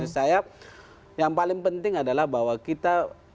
saya yang paling penting adalah bahwa kita